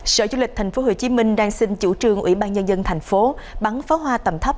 sở du lịch thành phố hồ chí minh đang xin chủ trương ủy ban nhân dân thành phố bắn pháo hoa tầm thấp